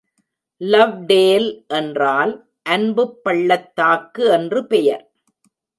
Lovedale என்றால் அன்புப் பள்ளத்தாக்கு என்று பெயர்.